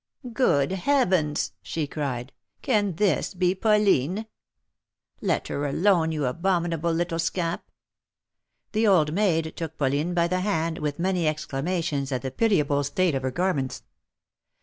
"Good heavens!" she cried, "can this be Pauline? Let her alone, you abominable little scamp !" 234 THE MARKETS OF PARIS. The old maid took Pauline by the hand, with many exclamations at the pitiable state of her garments.